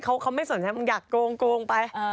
เขาไม่สนฉันอยากโกงโกงไป